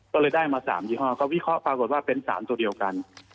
ก็เลยได้มา๓ยี่ห้อก็วิเคราะห์ปรากฏว่าเป็น๓ตัวเดียวกัน